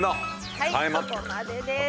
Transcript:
はいそこまでです。